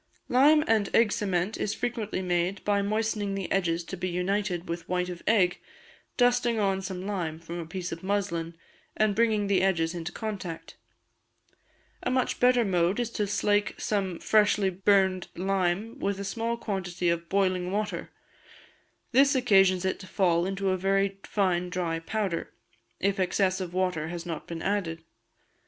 Lime and Egg Cement is frequently made by moistening the edges to be united with white of egg, dusting on some lime from a piece of muslin, and bringing the edges into contact. A much better mode is to slake some freshly burned lime with a small quantity of boiling water; this occasions it to fall into a very fine dry powder, if excess of water has not been added.